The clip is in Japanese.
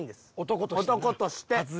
男として。